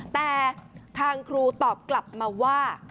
แต่ทางครูตอบกลับมาว่า